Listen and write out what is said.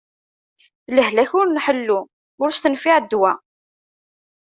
D lehlak ur nḥellu, ur s-tenfiɛ ddwa.